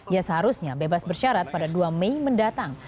ia seharusnya bebas bersyarat pada dua mei mendatang